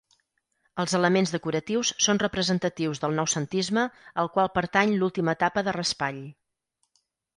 Els elements decoratius són representatius del noucentisme el qual pertany l'última etapa de Raspall.